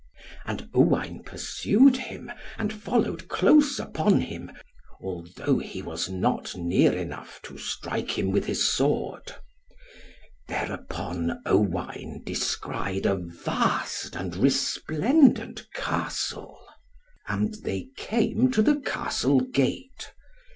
And Owain pursued him, and followed close upon him, although he was not near enough to strike him with his sword. Thereupon Owain descried a vast and resplendent Castle. And they came to the Castle gate.